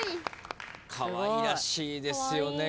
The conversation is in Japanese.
かわいらしいですよね。